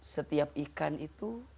setiap ikan itu